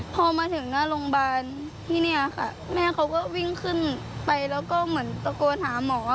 พอมาถึงหน้าโรงพยาบาลที่นี่ค่ะแม่เขาก็วิ่งขึ้นไปแล้วก็เหมือนตะโกนหาหมอ